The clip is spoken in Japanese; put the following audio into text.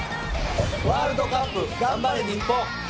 ワールドカップ頑張れ日本！